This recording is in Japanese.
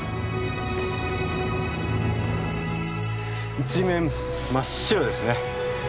一面真っ白ですね。